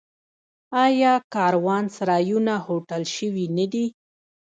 آیا کاروانسرایونه هوټل شوي نه دي؟